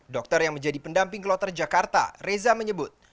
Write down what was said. dokter yang menjadi pendamping kloter jakarta reza menyebut